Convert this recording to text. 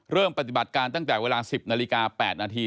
เริ่มปฏิบัติการตั้งแต่เวลา๑๐นาฬิกา๘นาที